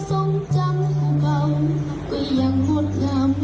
ลองฟังกันนะครับ